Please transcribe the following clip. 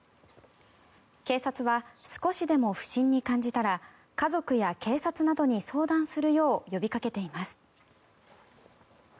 警察は少しでも不審に感じたら家族や警察などに相談するよう呼びかけています。